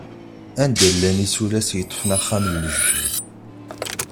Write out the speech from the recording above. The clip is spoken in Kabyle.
Anida i llan yisulas i yeṭfen axxam n lejdud.